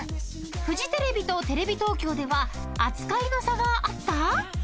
［フジテレビとテレビ東京では扱いの差があった？］